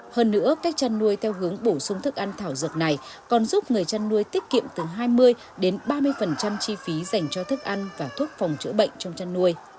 hơn nữa cách chăn nuôi theo hướng bổ sung thức ăn thảo dược này còn giúp người chăn nuôi tiết kiệm từ hai mươi đến ba mươi chi phí